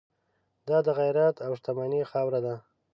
دا د غیرت او شتمنۍ خاوره ده.